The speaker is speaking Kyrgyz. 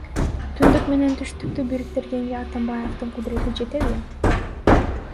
Түндүк менен түштүктү бириктиргенге Атамбаевдин кудурети жетеби?